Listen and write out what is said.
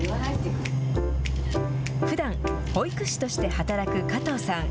ふだん保育士として働く加藤さん。